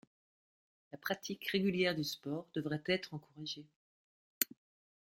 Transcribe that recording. La pratique régulière du sport devrait être encouragée.